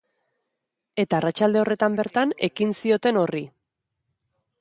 Eta arratsalde horretan bertan ekin zioten horri.